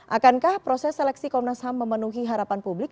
akankah proses seleksi komnas ham memenuhi harapan publik